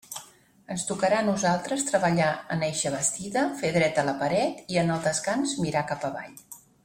Ens tocarà a nosaltres treballar en eixa bastida, fer dreta la paret i en el descans mirar cap avall.